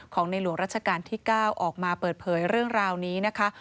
ในหลวงรัชกาลที่๙ออกมาเปิดเผยเรื่องราวนี้นะคะ